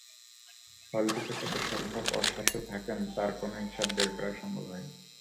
হলটিতে কতসংখ্যক অছাত্র থাকেন, তার কোনো হিসাব বের করা সম্ভব হয়নি।